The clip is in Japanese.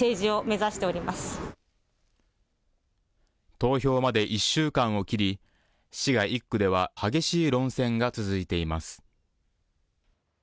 投票まで１週間を切り、滋賀１区では激しい論戦が続いています。